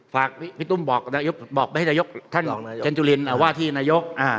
ฝากพี่ตุ้มบอกเสียหิตถ้ายกเจ็นจุลินว่าที่นายก